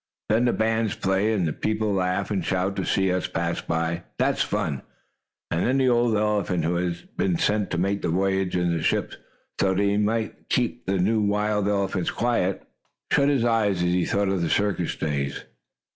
Then the bands play, and the people laugh and shout to see us pass by. Yes, that is fun," and the old elephant, who had been sent to make the voyage in the ship, so that he might keep the new, wild elephants quiet, shut his eyes as he thought of the circus days.